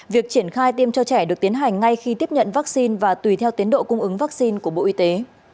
việc triển khai tiêm cho trẻ được tiến hành ngay khi tiếp nhận vaccine và tùy theo tiến độ cung ứng vaccine của bộ y tế